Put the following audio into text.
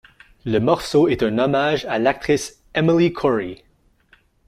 Le morceau est un hommage à l'actrice Emily Corrie.